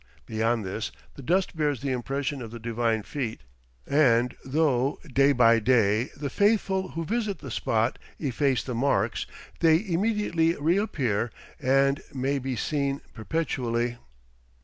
Beyond this, the dust bears the impress of the divine feet, and though, day by day, the faithful who visit the spot efface the marks, they immediately reappear and may be seen perpetually."